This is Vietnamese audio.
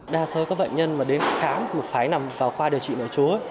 đa số các bệnh nhân mà đến khám phải nằm vào khoa điều trị nội chúa